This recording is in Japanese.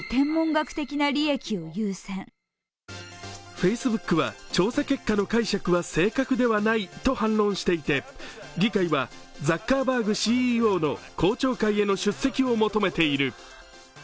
フェイスブックは調査結果の解釈は正確ではないと反論していて議会はザッカーバーグＣＥＯの公聴会への出席を求めている。